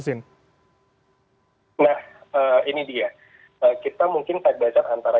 kita mungkin tak belajar antara